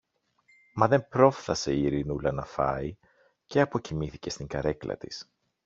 Μα δεν πρόφθασε η Ειρηνούλα να φάει, και αποκοιμήθηκε στην καρέκλα της.